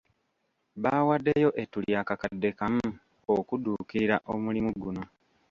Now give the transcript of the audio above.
Baawaddeyo ettu lya kakadde kamu okudduukirira omulimu guno.